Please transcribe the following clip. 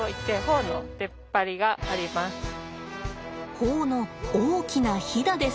頬の大きなひだです。